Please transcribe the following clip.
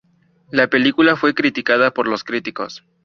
La película fue criticada por los críticos.